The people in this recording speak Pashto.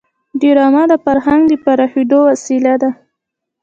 ډرامه د فرهنګ د پراخېدو وسیله ده